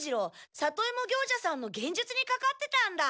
里芋行者さんの幻術にかかってたんだ。